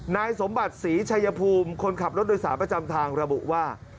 นายสมบัติศรีชัยภูมิคนขับรถโดยสารประจำทางระบุว่า